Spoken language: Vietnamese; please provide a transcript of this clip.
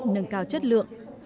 nâng cao chất lượng